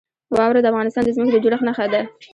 واوره د افغانستان د ځمکې د جوړښت نښه ده.